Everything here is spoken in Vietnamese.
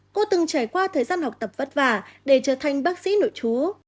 cô từng trải qua thời gian học tập vất vả để trở thành bác sĩ nội chú